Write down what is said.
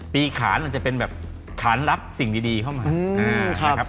ขานมันจะเป็นแบบขานรับสิ่งดีเข้ามานะครับ